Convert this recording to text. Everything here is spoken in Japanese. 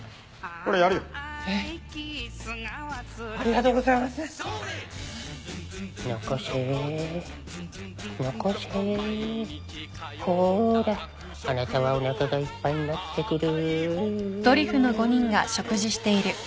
あなたはおなかがいっぱいになってくる。